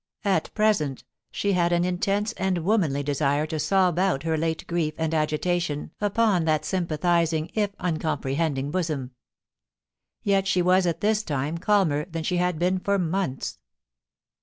At present she had an intense and womanly desire to sob out her late grief and agitation upon that sympathising if uncom prehending bosom. Yet she was at this time calmer than she had been for months.